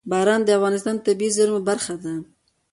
باران د افغانستان د طبیعي زیرمو برخه ده.